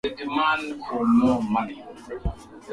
tisa themanini na nane dhidi ya ndege ya abiria ya Shirika la Pan Am